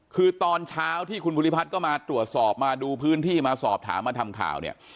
คือตอนเช้าที่คุณภูริพัฒน์ก็มาตรวจสอบมาดูพื้นที่มาสอบถามมาทำข่าวเนี่ย